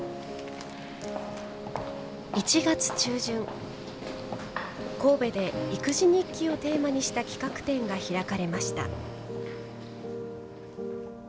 １月中旬、神戸で育児日記をテーマにした企画展が開かれました。